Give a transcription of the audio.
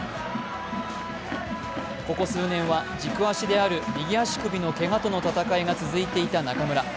ここ数年は、軸足である右足首のけがとの闘いが続いていた中村。